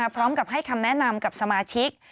พร้อมกับให้คำแนะนำกับสมาชิก